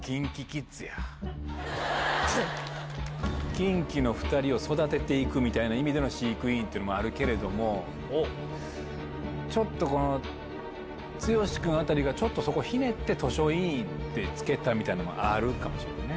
キンキの２人を育てて行くみたいな意味での飼育委員っていうのもあるけれどもちょっと剛君あたりがそこひねって図書委員って付けたみたいなんあるかもしれんね。